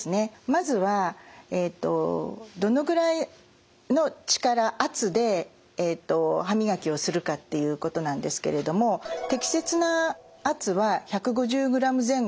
まずはどのくらいの力圧で歯磨きをするかっていうことなんですけれども適切な圧は１５０ｇ前後といわれています。